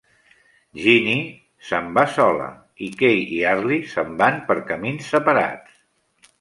Ginnie s'en va sola, i Kay i Arlis s'en van per camins separats.